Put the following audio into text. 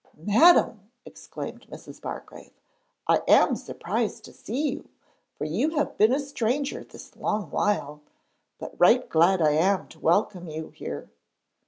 'Madam,' exclaimed Mrs. Bargrave, 'I am surprised to see you, for you have been a stranger this long while, but right glad I am to welcome you here.'